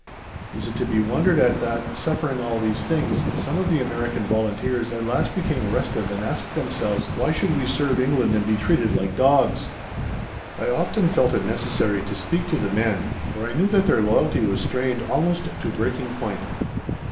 Is it to be wondered at that, suffering all these things, some of the American volunteers at last became restive and asked themselves, "Why should we serve England and be treated like dogs?" I often felt it necessary to speak to the men, for I knew that their loyalty was strained almost to breaking point.